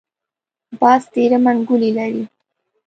باز تېره منګولې لري